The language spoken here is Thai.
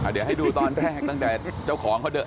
เดี๋ยวให้ดูตอนแรกตั้งแต่เจ้าของเขาเดิน